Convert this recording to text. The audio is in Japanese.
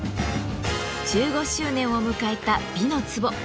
１５周年を迎えた「美の壺」。